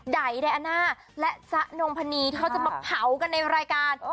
ไดอาน่าและจ๊ะนงพนีเขาจะมาเผากันในรายการ